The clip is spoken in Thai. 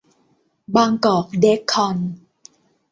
บางกอก เดค-คอน